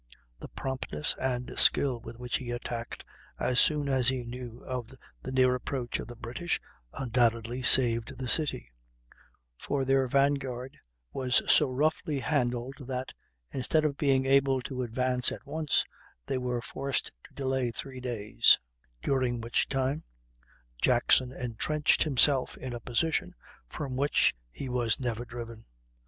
The promptness and skill with which he attacked, as soon as he knew of the near approach of the British, undoubtedly saved the city; for their vanguard was so roughly handled that, instead of being able to advance at once, they were forced to delay three days, during which time Jackson entrenched himself in a position from which he was never driven.